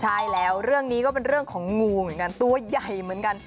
ใช่แล้วเรื่องนี้ก็เป็นเรื่องของงูเหมือนกันตัวใหญ่เหมือนกัน